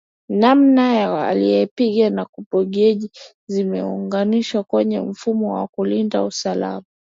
Namba ya aliepiga na mpokeaji zimeunganishwa kwenye mfumo wa kulinda usalama